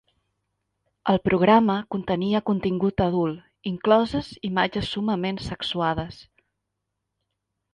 El programa contenia contingut adult, incloses imatges summament sexuades.